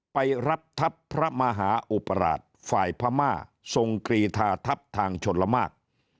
ไปรับทัพพระมหาอุปราชฝ่ายพม่าทรงกรีธาทัพทางชนละมาก